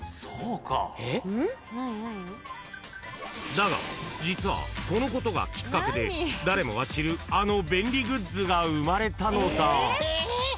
［だが実はこのことがきっかけで誰もが知るあの便利グッズが生まれたのだ］